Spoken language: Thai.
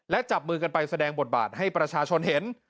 และจับมือกันไปแสดงบทบาทให้ประชาชนเห็น